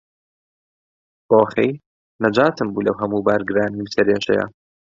ئۆخەی، نەجاتم بوو لەو هەموو بارگرانی و سەرێشەیە.